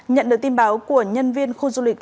nhận được tin báo của nhân viên khu du lịch